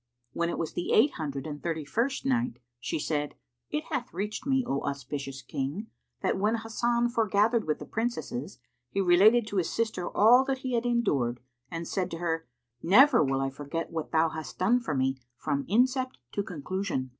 When it was the Eight Hundred and Thirty first Night, She said, It hath reached me, O auspicious King, that when Hasan foregathered with the Princesses, he related to his sister all that he had endured and said to her, "Never will I forget what thou hast done for me from incept to conclusion."